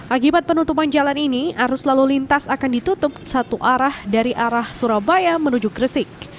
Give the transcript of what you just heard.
akibat penutupan jalan ini arus lalu lintas akan ditutup satu arah dari arah surabaya menuju gresik